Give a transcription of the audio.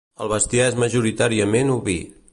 El bestiar és majoritàriament oví.